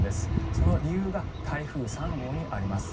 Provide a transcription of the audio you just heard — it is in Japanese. その理由が台風３号にあります。